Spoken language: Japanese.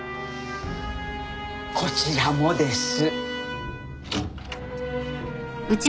こちらもです。